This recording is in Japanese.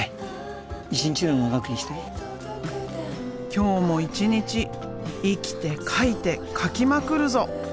今日も一日生きて描いて描きまくるぞ！